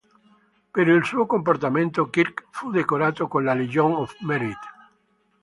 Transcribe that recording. Per il suo comportamento, Kirk fu decorato con la Legion of Merit.